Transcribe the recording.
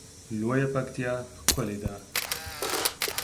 لویه پکتیا ښکلی ده